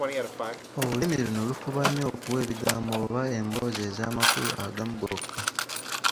Olulimi luno lufuba nnyo okuwa ebigambo oba emboozi ez’amakulu agamu gokka.